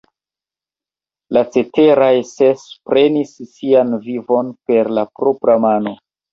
La ceteraj ses prenis sian vivon per la propra mano.